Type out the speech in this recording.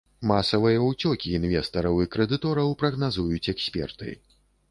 Масавыя уцёкі інвестараў і крэдытораў прагназуюць эксперты.